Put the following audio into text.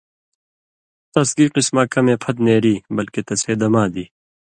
تس گی قسماں کمے پھت نېری بلکہ تسے دما دی۔